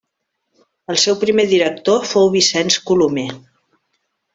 El seu primer director fou Vicenç Colomer.